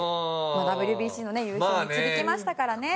ＷＢＣのね優勝導きましたからね。